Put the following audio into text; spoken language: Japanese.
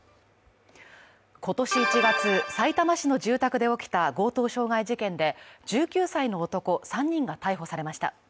今年１月、さいたま市の住宅で起きた強盗傷害事件で１９歳の男３人が逮捕されました。